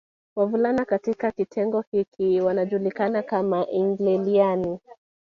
Wavulana katika kitengo hiki wanajulikana kama Ilngeeliani